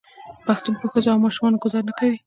پښتون په ښځو او ماشومانو ګذار نه کوي.